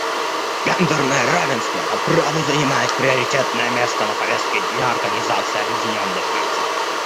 Гендерное равенство по праву занимает приоритетное место на повестке дня Организации Объединенных Наций.